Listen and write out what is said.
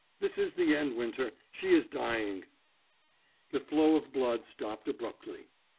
This is the end, Winter! She is dying!" The flow of blood stopped abruptly.